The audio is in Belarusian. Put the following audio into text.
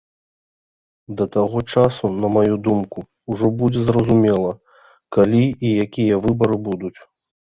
Да таго часу, на маю думку, ужо будзе зразумела, калі і якія выбары будуць.